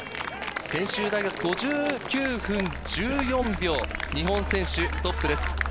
専修大学、５９分１４秒、日本選手トップです。